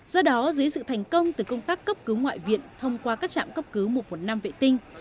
do đó dưới sự thành công từ công tác cấp cứu ngoại viện thông qua các trạm cấp cứu mùa một năm vệ tinh